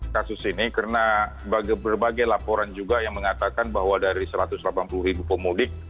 kasus ini karena berbagai laporan juga yang mengatakan bahwa dari satu ratus delapan puluh ribu pemudik